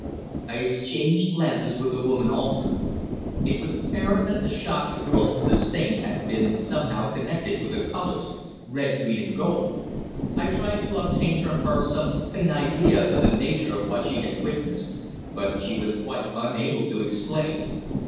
I exchanged glances with the woman Alford. It was apparent that the shock the girl had sustained had been somehow connected with the colours red, green and gold. I tried to obtain from her some faint idea of the nature of what she had witnessed, but she was quite unable to explain.